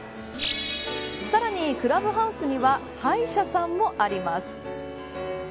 さらに、クラブハウスには歯医者さんもあります。